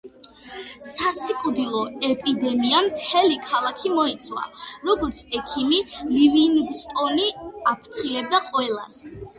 სასიკვდილო ეპიდემიამ მთელი ქალაქი მოიცვა, როგორც ექიმი ლივინგსტონი აფრთხილებდა ყველას.